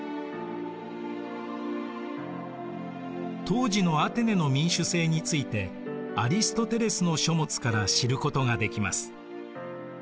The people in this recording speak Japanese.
当時のアテネの民主政についてアリストテレスの書物から知ることができます。